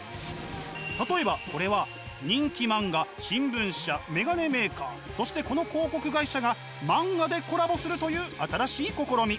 例えばこれは人気漫画新聞社メガネメーカーそしてこの広告会社が漫画でコラボするという新しい試み。